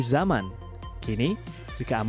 bika ambon mencari kemampuan untuk menjual bika ambon